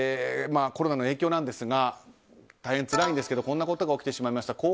コロナの影響なんですが大変つらいんですがこんなことも起きてしまいました。